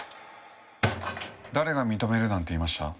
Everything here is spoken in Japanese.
誰が認めるなんて言いました？